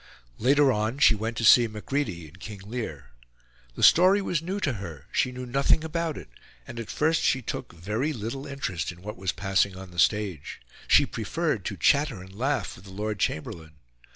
Later on, she went to see Macready in King Lear. The story was new to her; she knew nothing about it, and at first she took very little interest in what was passing on the stage; she preferred to chatter and laugh with the Lord Chamberlain.